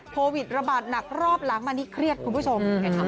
โควิดระบาดหนักรอบหลังมานี่เครียดคุณผู้ชม